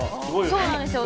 そうなんですよ。